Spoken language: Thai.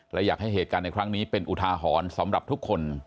และอยากให้เหตุการณ์ในครั้งนี้เป็นอุทาหรณ์สำหรับทุกคน